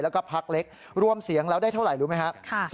แล้วก็พักเล็กรวมเสียงแล้วได้เท่าไหร่รู้ไหมครับ